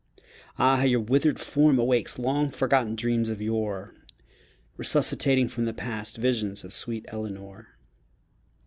Ah, how your withered form awakes Long forgotten dreams of yore Resuscitating from the past Visions of sweet Eleanor!